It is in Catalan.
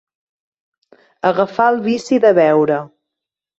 Agafar el vici de beure.